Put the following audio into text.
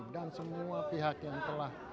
dan semua pihak yang telah